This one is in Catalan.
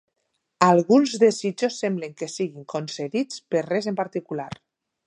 Alguns desitjos semblen que siguin concedits per res en particular.